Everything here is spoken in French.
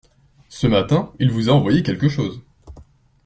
Ce matin, il vous a envoyé quelque chose.